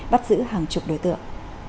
bắt giữ hàng chục đối tượng